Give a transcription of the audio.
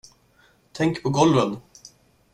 Tänk på golven!